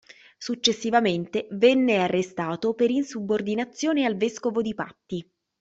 Successivamente venne arrestato per insubordinazione al Vescovo di Patti.